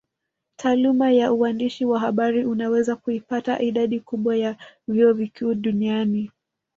Taaluma ya uandishi wa habari unaweza kuipata idadi kubwa ya vyuo vikuu duniani